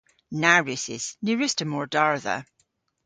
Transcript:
Na wrussys. Ny wruss'ta mordardha.